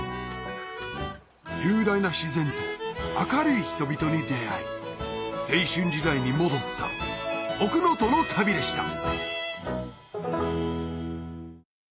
雄大な自然と明るい人々に出会い青春時代に戻った奥能登の旅でした！